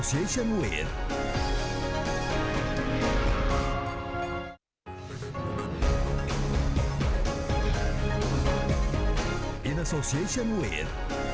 itu di laut